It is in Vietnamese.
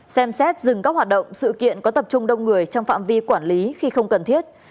xem xét dừng các hoạt động sự kiện có tập trung đông người trong phạm vi quản lý khi không cần thiết